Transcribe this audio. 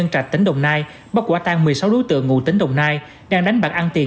trạch tỉnh đồng nai bắt quả tan một mươi sáu đối tượng ngụ tính đồng nai đang đánh bạc ăn tiền